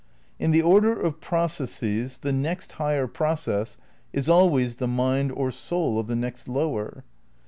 In the order of processes the next higher process is always the mind or soul of the next lower.